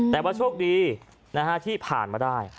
แต่ว่าโชคดีที่ผ่านมาได้